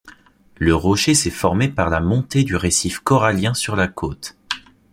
Le rocher s'est formé par la montée du récif corallien sur la côte.